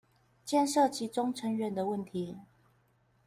牽涉其中成員的問題